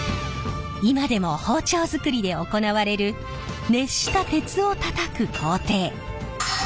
今でも包丁づくりで行われる熱した鉄をたたく工程鍛錬。